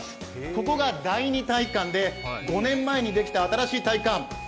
ここが第２体育館で５年前にできた新しい体育館。